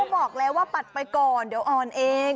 บอกแล้วว่าปัดไปก่อนเดี๋ยวอ่อนเอง